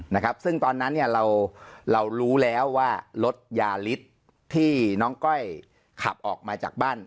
นะครับซึ่งตอนนั้นเนี่ยเราเรารู้แล้วว่ารถยาฤทธิ์ที่น้องก้อยขับออกมาจากบ้าน